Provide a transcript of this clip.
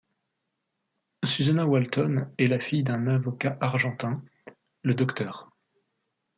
Susana Walton est la fille d'un avocat argentin, le Dr.